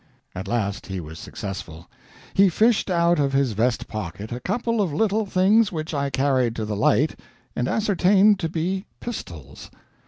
At last he was successful. He fished out of his vest pocket a couple of little things which I carried to the light and ascertained to be pistols.